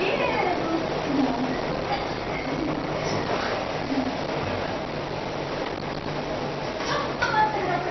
そんなそんな私なんてそっかじゃちょっと待ってください！